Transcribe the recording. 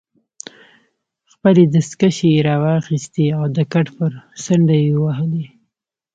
خپلې دستکشې يې راواخیستې او د کټ پر څنډه ېې ووهلې.